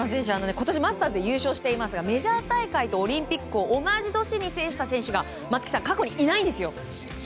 今年マスターズで優勝してますがメジャー大会とオリンピックを同じ年に制した選手が松木さん過去にいないんですよ。